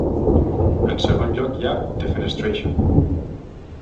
En segon lloc hi ha “defenestration”.